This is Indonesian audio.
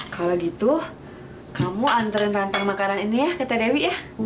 kalau gitu kamu anterin rantre makanan ini ya kepada dewi